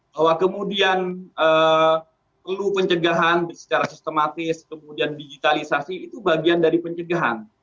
bahwa kemudian perlu pencegahan secara sistematis kemudian digitalisasi itu bagian dari pencegahan